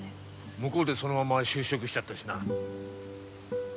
向こうでそのまま就職しちゃったしな。